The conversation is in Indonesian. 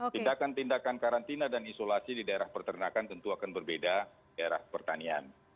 tindakan tindakan karantina dan isolasi di daerah perternakan tentu akan berbeda daerah pertanian